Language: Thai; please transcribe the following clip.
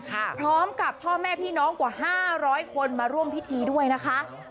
พร้อมกับพ่อแม่พี่น้องกว่า๕๐๐คนมาร่วมพิธีด้วยนะคะ